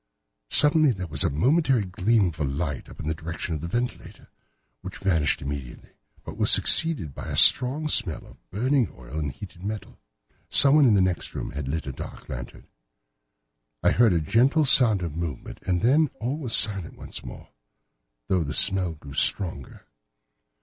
Suddenly there was the momentary gleam of a light up in the direction of the ventilator, which vanished immediately, but was succeeded by a strong smell of burning oil and heated metal. Someone in the next room had lit a dark lantern. I heard a gentle sound of movement, and then all was silent once more, though the smell grew stronger.